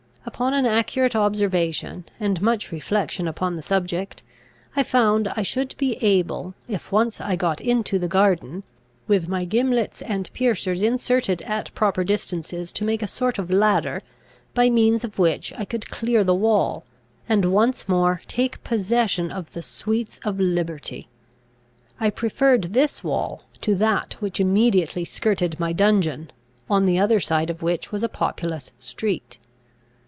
Upon an accurate observation, and much reflection upon the subject, I found I should be able, if once I got into the garden, with my gimlets and piercers inserted at proper distances to make a sort of ladder, by means of which I could clear the wall, and once more take possession of the sweets of liberty. I preferred this wall to that which immediately skirted my dungeon, on the other side of which was a populous street.